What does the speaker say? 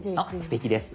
すてきです。